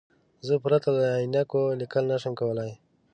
زه پرته له عینکو لیکل نشم کولای.